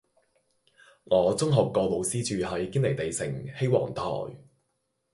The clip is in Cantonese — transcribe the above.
我中學個老師住喺堅尼地城羲皇臺